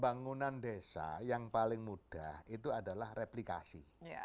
bangunan desa yang paling mudah itu adalah replikasi